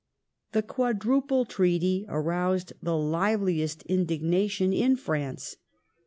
The Quadruple Treaty aroused the liveliest indignation in England France.